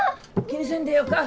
気にせんでよか。